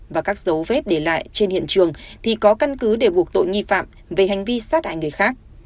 và các dấu vết để lại trên hiện trường thì có căn cứ để buộc tội nghi phạm về hành vi sát hại người khác